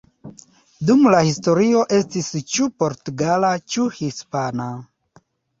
Dum la historio estis ĉu portugala ĉu hispana.